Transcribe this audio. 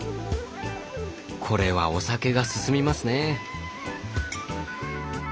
これはお酒が進みますね。